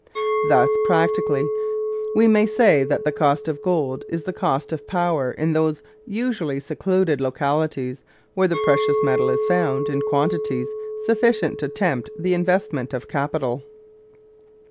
Thus practically we may say that the cost of gold is the cost of power in those usually secluded localities where the precious metal is found in quantities sufficient to tempt the investment of capital.